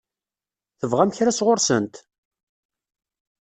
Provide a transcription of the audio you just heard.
Tebɣam kra sɣur-sent?